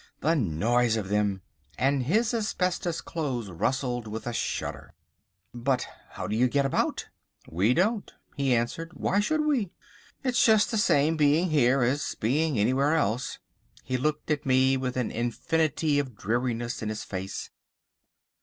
The noise of them!" and his asbestos clothes rustled with a shudder. "But how do you get about?" "We don't," he answered. "Why should we? It's just the same being here as being anywhere else." He looked at me with an infinity of dreariness in his face.